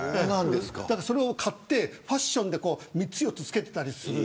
だから、それを買ってファッションで３つ４つ付けてたりする。